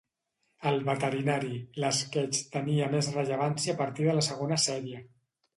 El "Veterinari". L"esquetx tenia més rellevància a partir de la segona sèrie.